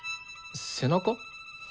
背中？